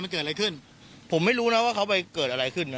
มันเกิดอะไรขึ้นผมไม่รู้นะว่าเขาไปเกิดอะไรขึ้นนะ